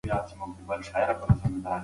هغه د اعمالو پايلو ته متوجه و.